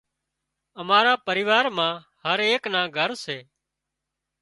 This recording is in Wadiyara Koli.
امارا پريوار مان هرايڪ نا گھر سي